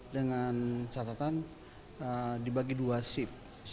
dengan catatan dibagi dua shift